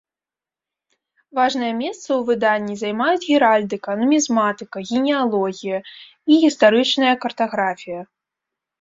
Важнае месца ў выданні займаюць геральдыка, нумізматыка, генеалогія і гістарычная картаграфія.